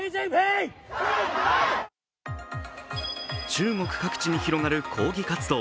中国各地に広がる抗議活動。